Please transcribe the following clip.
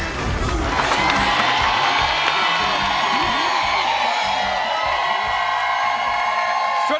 ลูกน้ำชม